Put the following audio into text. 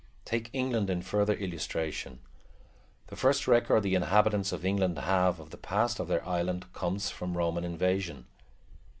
Take England in further illustration. The first record the inhabitants of England have of the past of their island comes from Roman invasion.